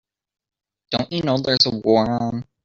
Don't you know there's a war on?